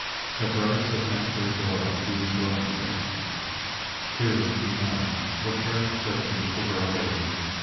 The bird took them to the door of Ku's dwelling place. Ku and Hina were caring for a beautiful girl baby.